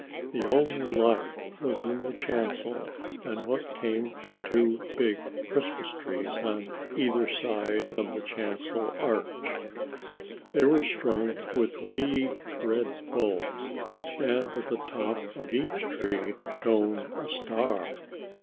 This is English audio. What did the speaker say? The only light was in the chancel and what came from two big Christmas trees on either side of the chancel arch. They were strung with wee red bulbs, and at the top of each tree shone a star.